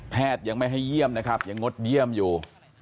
ยังไม่ให้เยี่ยมนะครับยังงดเยี่ยมอยู่